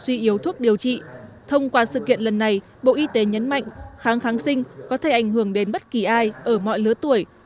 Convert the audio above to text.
yếu thuốc điều trị thông qua sự kiện lần này bộ y tế nhấn mạnh kháng kháng sinh có thể ảnh hưởng đến bất kỳ ai ở mọi lứa tuổi